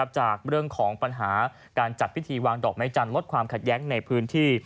จากเรื่องของปัญหาการจัดพิธีวางดอกไม้จันทร์ลดความขัดแย้งในพื้นที่